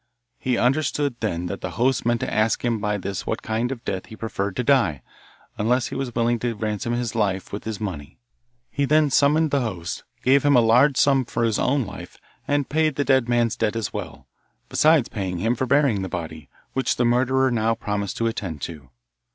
He understood then that the host meant to ask him by this what kind of death he preferred to die, unless he was willing to ransom his life with his money. He then summoned the host, gave him a large sum for his own life, and paid the dead man's debt as well, besides paying him for burying the body, which the murderer now promised to attend to.